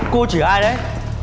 cô chửi ai đấy